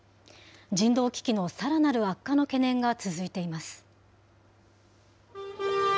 人道危機のさらなる悪化の懸念が続いています。